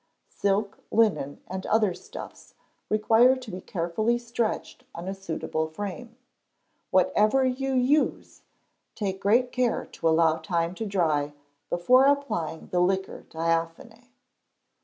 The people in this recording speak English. Silk, linen, and other stuffs require to be carefully stretched on a suitable frame. Whatever you use, take great care to allow time to dry before applying the liqueur diaphane.